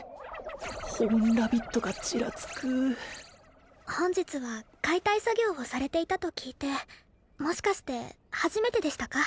ホーンラビットがちらつく本日は解体作業をされていたと聞いてもしかして初めてでしたか？